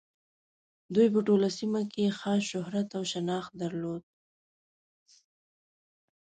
دوی په ټوله سیمه کې یې خاص شهرت او شناخت درلود.